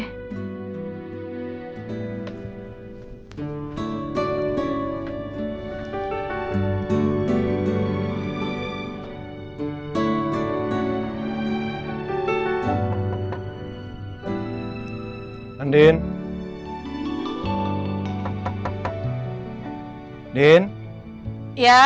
tesebut dulu aware